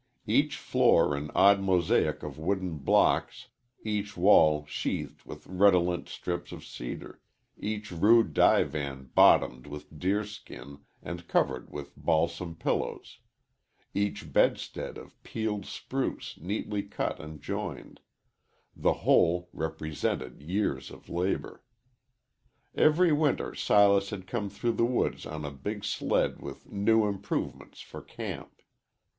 Each floor an odd mosaic of wooden blocks, each wall sheathed with redolent strips of cedar, each rude divan bottomed with deer skin and covered with balsam pillows, each bedstead of peeled spruce neatly cut and joined the whole represented years of labor. Every winter Silas had come through the woods on a big sled with "new improvements" for camp.